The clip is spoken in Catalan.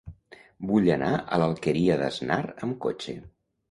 Vull anar a l'Alqueria d'Asnar amb cotxe.